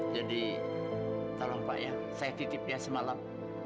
jadi tolong pak ya saya titip dia semalam